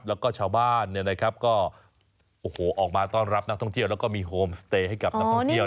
แล้วก็ชาวบ้านก็โอ้โหออกมาต้อนรับนักท่องเที่ยวแล้วก็มีโฮมสเตย์ให้กับนักท่องเที่ยว